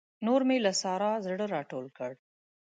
نور مې له سارا زړه راټول کړ.